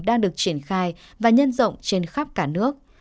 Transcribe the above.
đang được triển khai và nhân rộng trên khắp cả nước